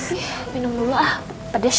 sih minum dulu ah pedes